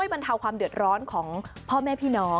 โรคโควิด๑๙ตอนนี้